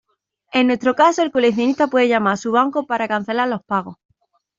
En nuestro caso el coleccionista puede llamar a su banco para cancelar los pagos.